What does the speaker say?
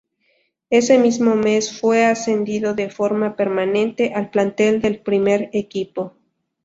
Ese mismo mes, fue ascendido de forma permanente al plantel del primer equipo.